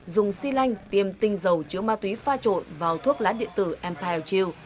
dùng si lanh tiêm tinh dầu chứa ma túy pha trộn vào thuốc lá điện tử empire jill